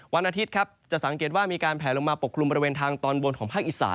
วันอาทิตย์ครับจะสังเกตว่ามีการแผลลงมาปกคลุมบริเวณทางตอนบนของภาคอีสาน